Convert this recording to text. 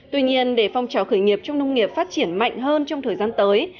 tuy nhiên để phong trào khởi nghiệp trong nông nghiệp phát triển mạnh hơn trong thời gian tới